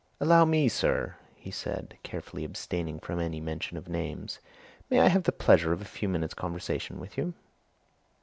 "Allow me, sir," he said, carefully abstaining from any mention of names. "May I have the pleasure of a few minutes' conversation with you?"